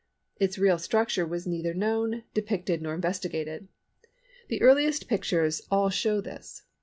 Its real structure was neither known, depicted, nor investigated. The earliest pictures all show this.